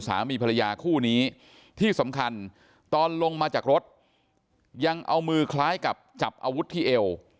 สามีภรรยาคู่นี้ที่สำคัญตอนลงมาจากรถยังเอามือคล้ายกับจับอาวุธที่เอว